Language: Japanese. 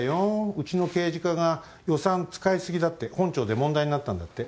うちの刑事課が予算使い過ぎだって本庁で問題になったんだって。